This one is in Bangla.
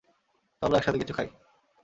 চলো, একসাথে কিছু খাই।